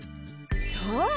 そう！